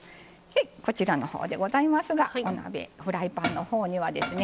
こちらのほうでございますがお鍋フライパンのほうにはですね